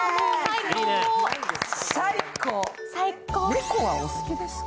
猫はお好きですか？